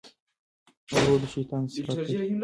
غرور د شیطان صفت دی.